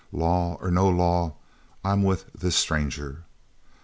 Law or no law, I'm with this stranger."